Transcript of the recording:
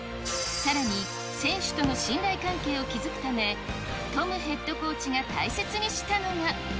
さらに選手との信頼関係を築くため、トムヘッドコーチが大切にしたのが。